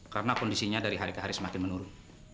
karena kondisinya dari hari ke hari semakin menurun